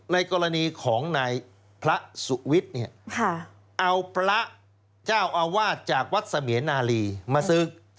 ในกรณีของนายพระสุวิตเนี่ยเอาพระเจ้าอาวาทจากวัฏบีมาศึก